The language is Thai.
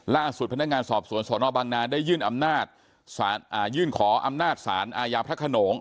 ล่าสุดพนักงานสอบสวนสนบังนาได้ยื่นขออำนาจศาลอาญาพระขนง